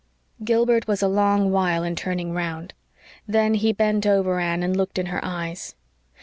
Gilbert was a long while in turning round; then he bent over Anne and looked in her eyes.